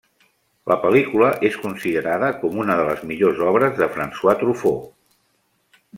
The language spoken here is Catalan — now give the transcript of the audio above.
La pel·lícula és considerada com una de les millors obres de François Truffaut.